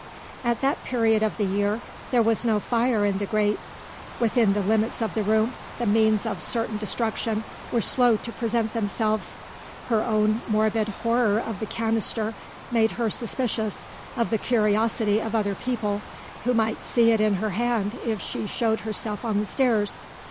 At that period of the year, there was no fire in the grate. Within the limits of the room, the means of certain destruction were slow to present themselves. Her own morbid horror of the canister made her suspicious of the curiosity of other people, who might see it in her hand if she showed herself on the stairs.